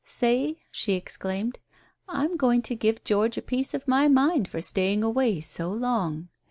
"Say?" she exclaimed. "I'm going to give George a piece of my mind for staying away so long.